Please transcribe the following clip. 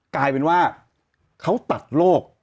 กลายเป็นว่าเขาตัดโรค